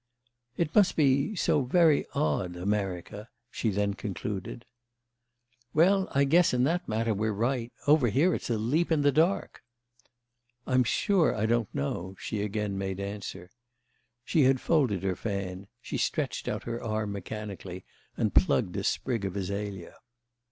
"It must be so very odd, America," she then concluded. "Well, I guess in that matter we're right. Over here it's a leap in the dark." "I'm sure I don't know," she again made answer. She had folded her fan; she stretched out her arm mechanically and plucked a sprig of azalea.